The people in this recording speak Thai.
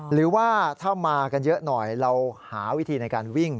หรือว่าถ้ามากันเยอะหน่อยเราหาวิธีในการวิ่ง